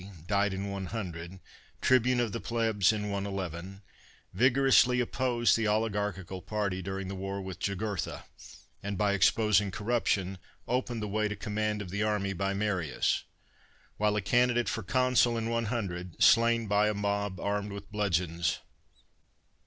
died in 100; Tribune of the Plebs in 111; Tigorously opposed the oligarchical party during the war with Jugurtha, and by exposing corruption, opened the way to command of the army l^ Marius; while a candidate for Consul in 100, slain by a mob armed with bludgeons.